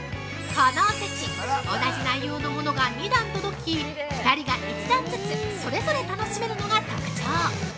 このおせち、同じ内容の物が２段届き、２人が１段ずつそれぞれ楽しめるのが特徴。